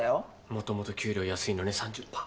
もともと給料安いのに３０％。